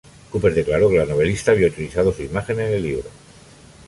Cooper declaró que la novelista había utilizado su imagen en el libro.